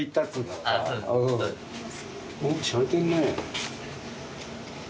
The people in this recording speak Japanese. おっしゃれてんね。